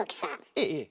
ええええ。